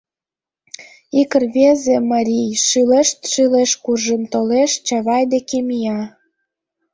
Ик рвезе марий шӱлешт-шӱлешт куржын толеш, Чавай деке мия.